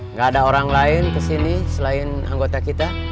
nggak ada orang lain kesini selain anggota kita